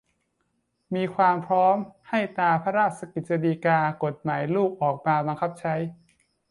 มีความพร้อม และให้ตราพระราชกฤษฎีกา กฎหมายลูก ออกมาบังคับใช้